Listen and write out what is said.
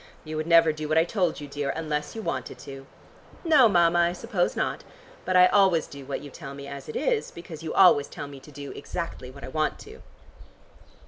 You would never do what I told you, dear, unless you wanted to." "No, Mama, I suppose not. But I always do what you tell me, as it is, because you always tell me to do exactly what I want to."